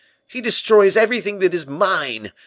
He destroys everything that is mine.